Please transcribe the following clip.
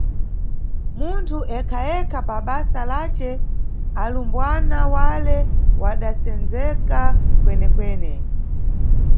Munthu ekhaekha pabasa lace, alumbwana wale wadasendzeka kwenekwene.